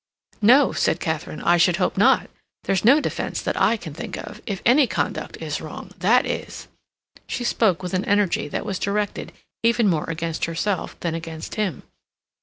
"No," said Katharine, "I should hope not. There's no defence that I can think of. If any conduct is wrong, that is." She spoke with an energy that was directed even more against herself than against him.